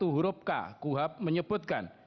huruf k kuap menyebutkan